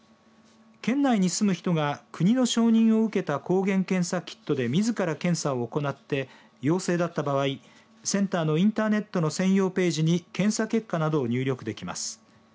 県内に住む人が国の承認を受けた抗原検査キットでみずから検査を行って陽性だった場合センターのインターネットの専用ページに検査結果などを入力できます。